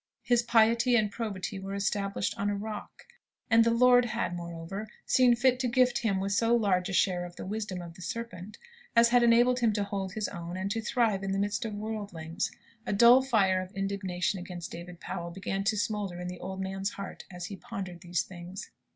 His piety and probity were established on a rock. And the Lord had, moreover, seen fit to gift him with so large a share of the wisdom of the serpent, as had enabled him to hold his own, and to thrive in the midst of worldlings. A dull fire of indignation against David Powell began to smoulder in the old man's heart, as he pondered these things.